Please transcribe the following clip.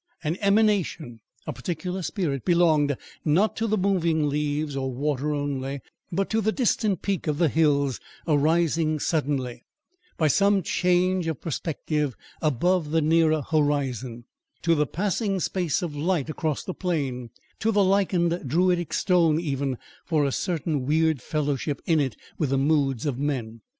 An emanation, a particular spirit, belonged, not to the moving leaves or water only, but to the distant peak of the hills arising suddenly, by some change of perspective, above the nearer horizon, to the passing space of light across the plain, to the lichened Druidic stone even, for a certain weird fellowship in it with the moods of men.